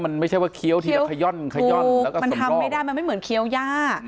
มันไม่ใช่ว่าเคี้ยวทีละขย่อนขย่อนมันทำไม่ได้มันไม่เหมือนเคี้ยวย่า